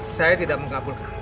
saya tidak menggabungkan